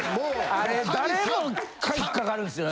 あれ誰もが引っ掛かるんですよね。